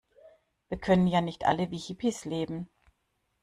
Wir können ja nicht alle wie Hippies leben.